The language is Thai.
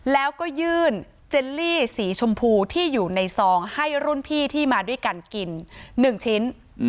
แล้วก็ยื่นเจลลี่สีชมพูที่อยู่ในซองให้รุ่นพี่ที่มาด้วยกันกิน๑ชิ้น